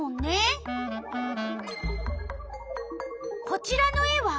こちらの絵は？